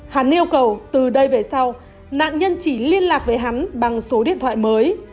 hắn yêu cầu từ đây về sau nạn nhân chỉ liên lạc với hắn bằng số điện thoại mới